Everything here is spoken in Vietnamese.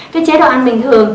cái chế độ ăn bình thường